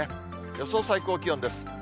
予想最高気温です。